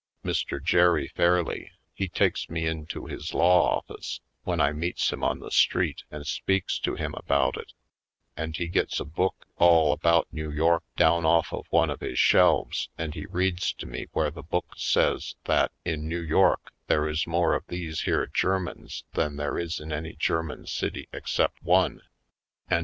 Mr. Jere Fairleigh he takes me into his law office when I meets him on the street and speaks to him about it; and he gets a book all about New York down off of one of his shelves and he reads to me where the book says that in New York there is more of these here Germans than there is in any German city except one, and more 24